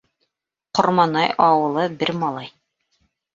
Ҡорманай ауылы бер малай.